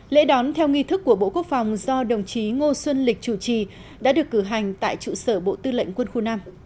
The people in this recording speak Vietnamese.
lễ đón theo nghi thức của bộ quốc phòng do đồng chí ngô xuân lịch chủ trì đã được cử hành tại trụ sở bộ tư lệnh quân khu năm